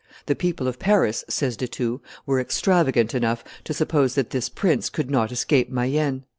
The people of Paris," says De Thou, "were extravagant enough to suppose that this prince could not escape Mayenne.